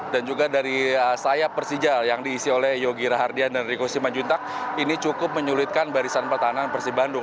dan juga dari sayap persija yang diisi oleh yogi rahardian dan riko simanjuntak ini cukup menyulitkan barisan pertahanan persi bandung